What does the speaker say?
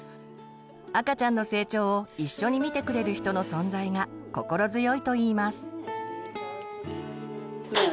赤ちゃんの成長を一緒に見てくれる人の存在が心強いと言います。